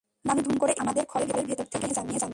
নানু ধুম করে এসে আমাদের খড়ের ভেতর থেকে ধরে নিয়ে যান।